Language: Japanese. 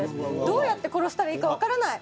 どうやって殺したらいいかわからない。